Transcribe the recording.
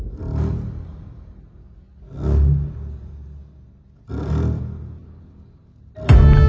ที่สุดท้าย